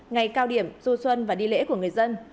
ngày cao điểm du xuân và đi lễ của người dân